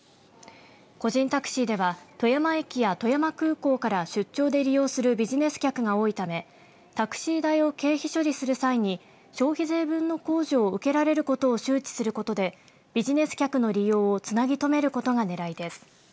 個人タクシーでは富山駅や富山空港から出張で利用するビジネス客が多いためタクシー代を経費処理する際に消費税分の控除を受けられることを周知することでビジネス客の利用をつなぎ止めることが狙いです。